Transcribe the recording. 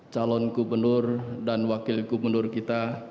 calon gubernur dan wakil gubernur kita